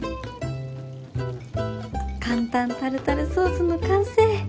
簡単タルタルソースの完成。